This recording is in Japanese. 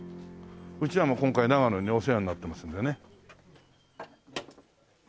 うちらも今回長野にお世話になってますのでね。